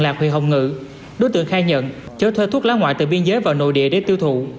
lạc huyện hồng ngự đối tượng khai nhận chở thuê thuốc lá ngoại từ biên giới vào nội địa để tiêu thụ